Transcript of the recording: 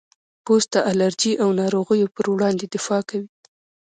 پوست د الرجي او ناروغیو پر وړاندې دفاع کوي.